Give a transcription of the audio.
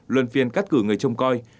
luân phiên cắt cử người trông coi